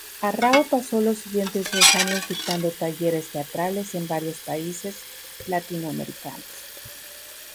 Arrau pasó los siguientes dos años dictando talleres teatrales en varios países latinoamericanos.